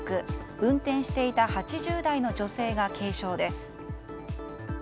運転していた８０代の女性が軽傷です。